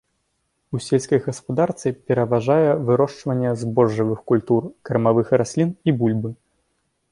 У сельскай гаспадарцы пераважае вырошчванне збожжавых культур, кармавых раслін і бульбы.